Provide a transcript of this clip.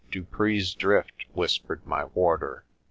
"Dupree's Drift," whispered my warder.